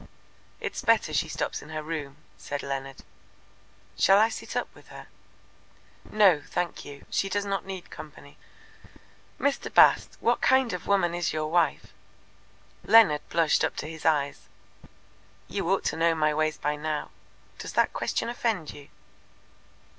"It's better she stops in her room," said Leonard. "Shall I sit up with her?" "No, thank you; she does not need company." "Mr. Bast, what kind of woman is your wife?" Leonard blushed up to his eyes. "You ought to know my ways by now. Does that question offend you?"